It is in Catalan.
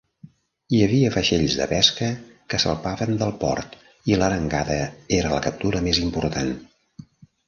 Hi havia vaixells de pesca que salpaven del port i l'arengada era la captura més important.